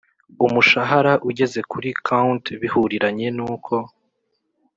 umushahara ugeze kuri count bihuriranye nuko